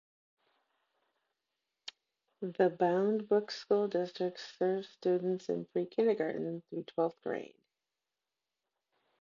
The Bound Brook School District serves students in pre-Kindergarten through twelfth grade.